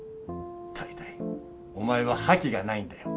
だいたいお前は覇気がないんだよ。